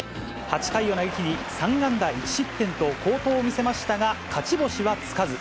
８回を投げきり、３安打１失点と好投を見せましたが、勝ち星はつかず。